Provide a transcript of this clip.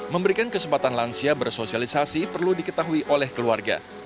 memberikan kesempatan lansia bersosialisasi perlu diketahui oleh keluarga